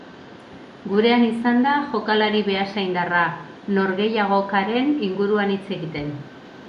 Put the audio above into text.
Gurean izan da jokalari beasaindarra norgehiagokaren inguruan hitz egiten.